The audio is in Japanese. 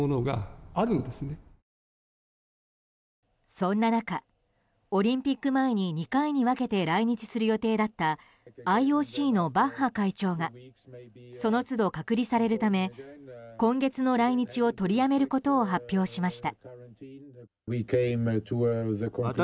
そんな中オリンピック前に２回に分けて来日する予定だったＩＯＣのバッハ会長がその都度、隔離されるため今月の来日を取りやめることを発表しました。